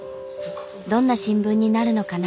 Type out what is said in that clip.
どんな新聞になるのかな。